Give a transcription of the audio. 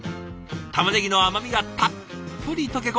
たまねぎの甘みがたっぷり溶け込んだ